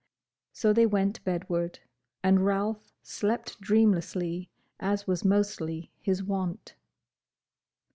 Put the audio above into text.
So they went bedward, and Ralph slept dreamlessly, as was mostly his wont.